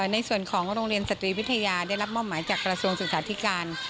ในส่วนของโรงเรียนสตรีวิทยาได้รับมอบหมายจากกระทรวงศึกษาธิการ